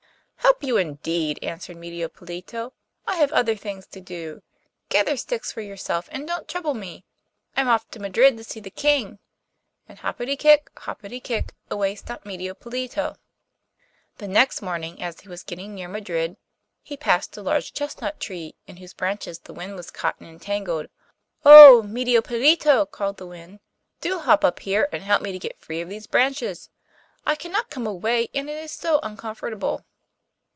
'Help you, indeed!' answered Medio Pollito. 'I have other things to do. Gather sticks for yourself, and don't trouble me. I am off to Madrid to see the King,' and hoppity kick, hoppity kick, away stumped Medio Pollito. The next morning, as he was getting near Madrid, he passed a large chestnut tree, in whose branches the wind was caught and entangled. 'Oh! Medio Pollito,' called the wind, 'do hop up here, and help me to get free of these branches. I cannot come away, and it is so uncomfortable.